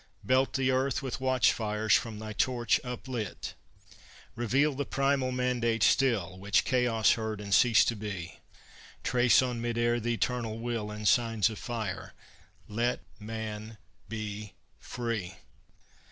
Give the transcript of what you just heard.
Belt the earth With watch fires from thy torch up lit! Reveal the primal mandate still Which Chaos heard and ceased to be, Trace on mid air th' Eternal Will In signs of fire: "Let man be free!"